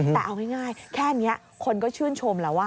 แต่เอาง่ายแค่นี้คนก็ชื่นชมแล้ว